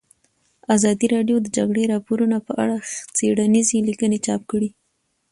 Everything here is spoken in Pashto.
ازادي راډیو د د جګړې راپورونه په اړه څېړنیزې لیکنې چاپ کړي.